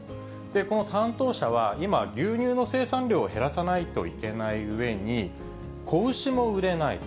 この担当者は今、牛乳の生産量を減らさないといけないうえに、子牛も売れないと。